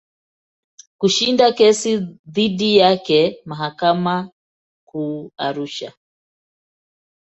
Kushinda kesi dhidi yake mahakama Kuu Arusha.